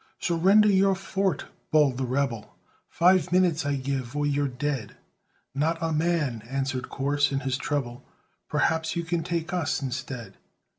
"Surrender your fort," bawled the rebel; "Five minutes I give, or you're dead." "Not a man," answered Corse, in his treble, "Perhaps you can take us instead!"